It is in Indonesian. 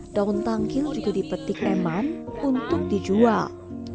daun tangkil juga dipetik eman untuk dijual